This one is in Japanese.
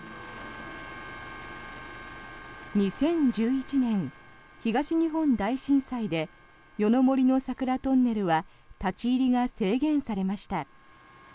２０１１年、東日本大震災で夜の森の桜トンネルは立ち入りが制限されました。